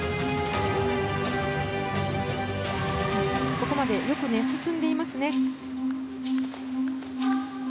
ここまでよく進んでますね。